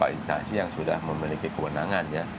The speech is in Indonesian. yang pertama adalah intasi yang sudah memiliki kewenangan ya